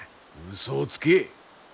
うそをつけ。